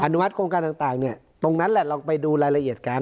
นุมัติโครงการต่างเนี่ยตรงนั้นแหละลองไปดูรายละเอียดกัน